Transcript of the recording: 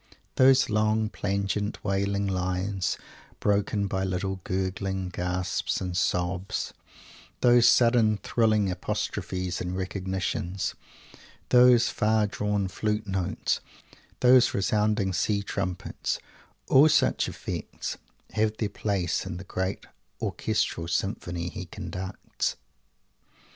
Those long, plangent, wailing lines, broken by little gurgling gasps and sobs; those sudden thrilling apostrophes and recognitions; those far drawn flute notes; those resounding sea trumpets; all such effects have their place in the great orchestral symphony he conducts!